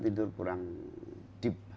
tidur kurang deep